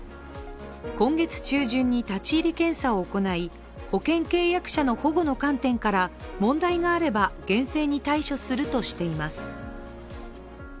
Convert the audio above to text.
今月中旬に立ち入り検査を行い保険契約者の保護の観点から問題があれば厳正に対処するとしています。